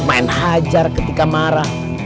main hajar ketika marah